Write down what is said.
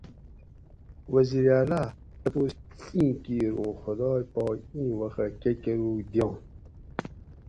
وزیر اۤ ڷی تپوس اِیں کِیر اُوں خداۓ پاک اِیں وخہ کہ کۤرُوگ دیانت